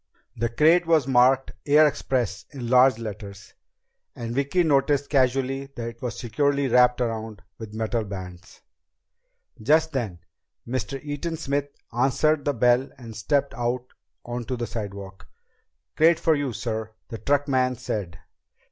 The crate was marked Air Express in large letters, and Vicki noticed casually that it was securely wrapped around with metal bands. Just then Mr. Eaton Smith answered the bell and stepped out onto the sidewalk. "Crate for you, sir," the truckman said.